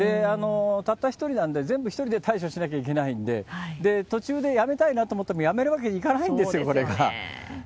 たった１人なんで、全部１人で対処しなきゃいけないんで、途中でやめたいなと思ってもやめるわけにはいかないんですよ、そうですよね。